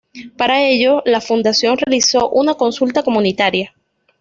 Para ello, la fundación realizó una consulta comunitaria.